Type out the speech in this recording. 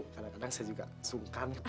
kadang kadang saya juga sungkan